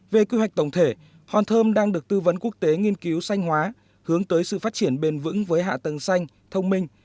về quy hoạch tổng thể hòn thơm đang được tư vấn quốc tế nghiên cứu xanh hóa hướng tới sự phát triển bền vững với hạ tầng xanh thông minh